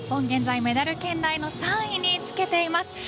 現在、メダル圏内の３位につけています。